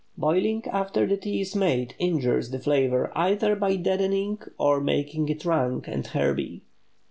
Boiling after the tea is made, injures the flavor either by deadening or making it rank and "herby."